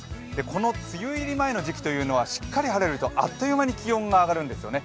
この梅雨入り前の時期というのはしっかり晴れるとあっという間に気温が上がるんですよね。